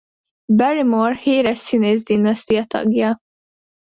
Barrymore híres színész dinasztia tagja.